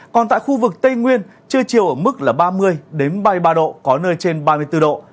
còn tại khu vực tây nguyên trưa chiều ở mức là ba mươi ba mươi ba độ có nơi trên ba mươi bốn độ